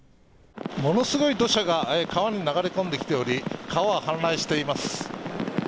ものすごい土砂が川に流れ込んできており、川が氾濫しています。